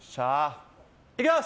いきます！